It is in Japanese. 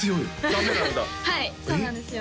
はいそうなんですよ